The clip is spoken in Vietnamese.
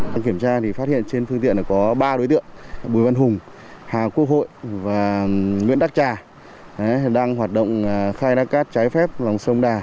đang kiểm tra thì phát hiện trên phương tiện có ba đối tượng bùi văn hùng hà quốc hội và nguyễn đắc trà đang hoạt động khai thác cát trái phép lòng sông đà